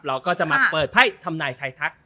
เราก็จะมาเปิดไพ่ทำนายไทยทัก